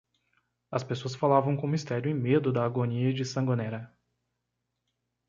As pessoas falavam com mistério e medo da agonia de Sangonera.